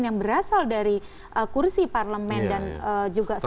yang berasal dari kursi parlemen dan juga suara